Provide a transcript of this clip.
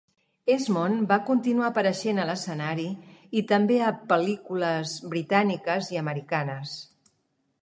Esmond va continuar apareixent a l'escenari i també a pel·lícules britàniques i americanes.